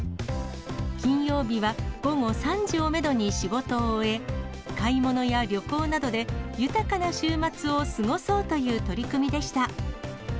金曜日は午後３時をメドに仕事を終え、買い物や旅行などで豊かな週末を過ごそうという取り組みでした。